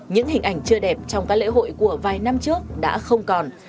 những hình ảnh chưa đẹp trong các lễ hội của vài năm trước đã không còn